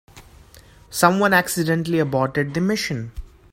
Someone accidentally aborted the mission.